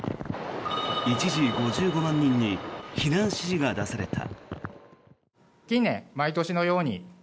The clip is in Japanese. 一時、５５万人に避難指示が出された。